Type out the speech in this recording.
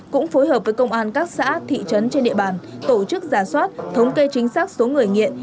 cũng phối hợp với công an các xã thị trấn trên địa bàn tổ chức giả soát thống kê chính xác số người nghiện